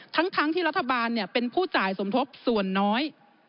ทั้งที่รัฐบาลเป็นผู้จ่ายสมทบส่วนน้อย